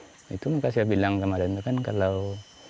tahu itu maka saya bilang kemarin kan kalau